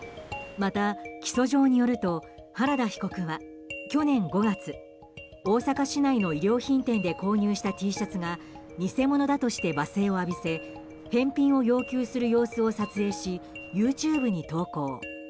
また、起訴状によると原田被告は去年５月大阪市内の衣料品店で購入したＴシャツが偽物だとして罵声を浴びせ返品を要求する様子を撮影しＹｏｕＴｕｂｅに投稿。